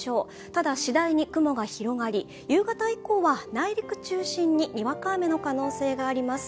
ただ、しだいに雲が広がり、夕方以降は内陸中心に、にわか雨の可能性があります。